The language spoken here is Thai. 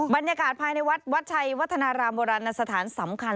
บรรยากาศภายในวัดวัดชัยวัฒนารามโบราณสถานสำคัญ